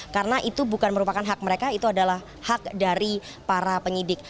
karena itu bukan merupakan hak mereka itu adalah hak dari para penyidik